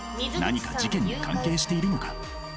何か事件に関係しているのか？